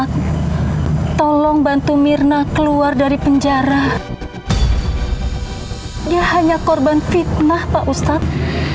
terima kasih tolong bantu mirna keluar dari penjara dia hanya korban fitnah pak ustadz